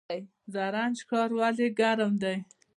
زرنج ښار ولې ګرم دی؟